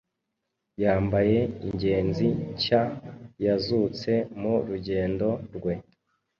yambaye ingenzi nshya yazutse mu rugendo rwe.